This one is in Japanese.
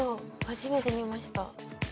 初めて見ました。